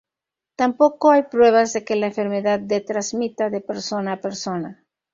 Tampoco hay pruebas de que la enfermedad de transmita de persona a persona.